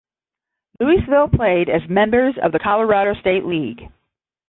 Louisville played as members of the Colorado State League.